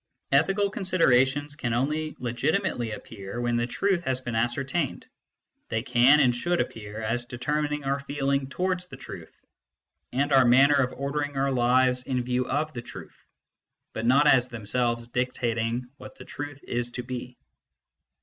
Ethical considerations can only legitimately appear when the truth has been ascertained : they can and should appear as determining our feeling towards the truth, and our manner of ordering our lives in view of the truth, but not as themselves dictating what the truth is to be.